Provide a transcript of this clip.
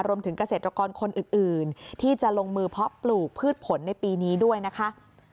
รวมถึงเกษตรกรคนอื่นที่จะลงมือเพาะปลูกพืชผลในปีนี้ด้วยนะคะ